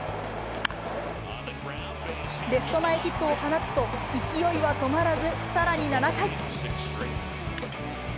レフト前ヒットを放つと勢いは止まらず、さらに７回。